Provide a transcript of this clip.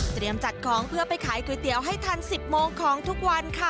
จัดของเพื่อไปขายก๋วยเตี๋ยวให้ทัน๑๐โมงของทุกวันค่ะ